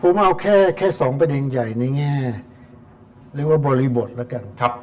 ผมเอาแค่สองประเด็นใหญ่ในแง่เรียกว่าบริบทแล้วกัน